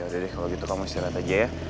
yaudah deh kalau gitu kamu istirahat aja ya